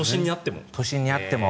都心にあっても？